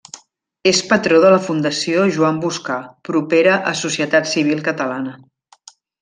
És patró de la Fundació Joan Boscà, propera a Societat Civil Catalana.